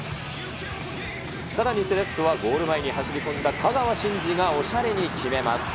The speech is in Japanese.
さらにセレッソは、ゴール前に走り込んだ香川真司がおしゃれに決めます。